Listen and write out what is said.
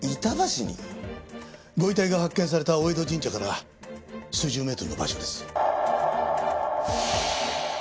ご遺体が発見された大江戸神社から数十メートルの場所です。